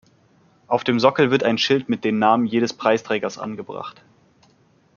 Auf dem Sockel wird ein Schild mit den Namen jedes Preisträgers angebracht.